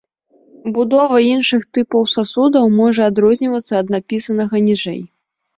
Будова іншых тыпаў сасудаў можа адрознівацца ад апісанага ніжэй.